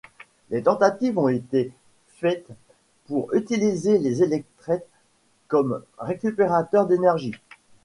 Des tentatives ont été faites pour utiliser des électrets comme récupérateur d'énergie.